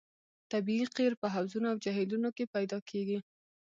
طبیعي قیر په حوضونو او جهیلونو کې پیدا کیږي